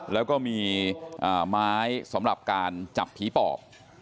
แล้วก็มีไม้สำหรับการจับผีปอบ